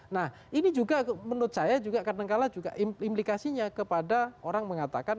nah ini juga menurut saya juga kadangkala juga implikasinya kepada orang mengatakan